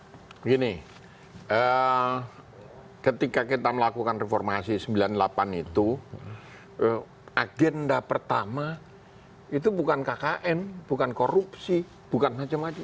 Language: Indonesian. begini ketika kita melakukan reformasi sembilan puluh delapan itu agenda pertama itu bukan kkn bukan korupsi bukan macam macam